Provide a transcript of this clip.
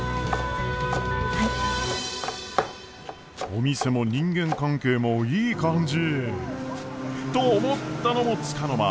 お店も人間関係もいい感じ！と思ったのもつかの間。